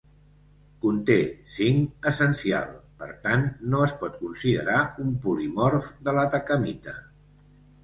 Conté zinc essencial; per tant no es pot considerar un polimorf de l'atacamita.